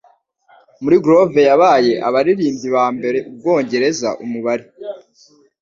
Muri Groove Yabaye Abaririmbyi Bambere Ubwongereza Umubare